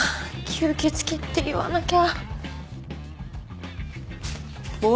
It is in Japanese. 吸血鬼って言わなきゃ。